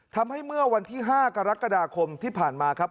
ทำให้เมื่อวันที่๕กรกฎาคมที่ผ่านมาครับ